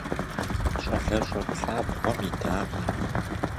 Щӏалэщӏэ плӏабгъуэм идакъым.